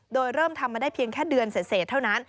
โดยเริ่มทำมาได้เพียงแค่เดือนเสร็จเท่านั้น